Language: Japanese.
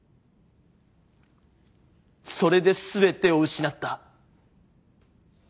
それで全てを失った。